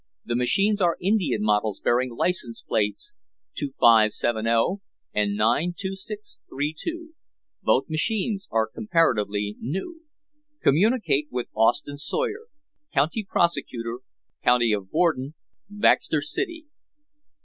The machines are Indian models bearing license plates 2570 and 92632. Both machines are comparatively new. Communicate with Austin Sawyer, County prosecutor, County of Borden, Baxter City.